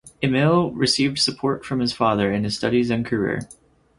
Emil received support from his father in his studies and career.